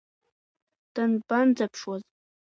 Данбанӡаԥшуаз.